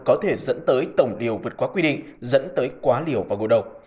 có thể dẫn tới tổng liều vượt qua quy định dẫn tới quá liều và ngộ độc